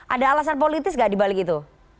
ada alasan politis nggak dibalik itu